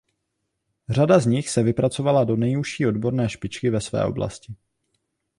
Řada z nich se vypracovala do nejužší odborné špičky ve své oblasti.